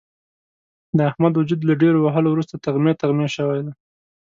د احمد وجود له ډېرو وهلو ورسته تغمې تغمې شوی دی.